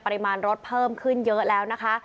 ปริมาณรถเพิ่มขึ้นเยอะแล้วนะคะ